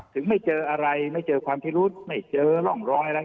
ไม่เจออะไรไม่เจอความพิรุษไม่เจอร่องรอยอะไร